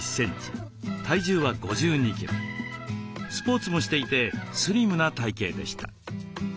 スポーツもしていてスリムな体形でした。